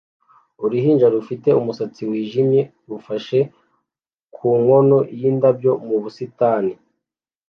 Uruhinja rufite umusatsi wijimye rufashe ku nkono yindabyo mu busitani